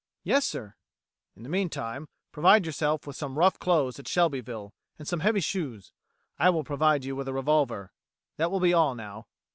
"Yes, sir." "In the meantime, provide yourself with some rough clothes at Shelbyville, and some heavy shoes. I will provide you with a revolver. That will be all now."